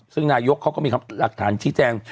ซึ่งนายกเขาก็มีหลักฐานชี้แจง